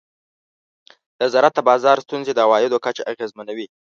د زراعت د بازار ستونزې د عوایدو کچه اغېزمنوي.